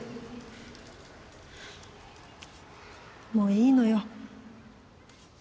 もういいのよ